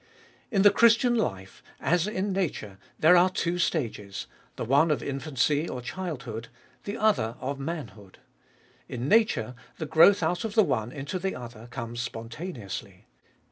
In the Christian life, as in nature, there are two stages, the one of infancy or childhood, the other of manhood. In nature the growth out of the one into the other comes spontaneously.